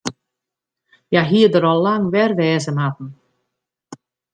Hja hie der al lang wer wêze moatten.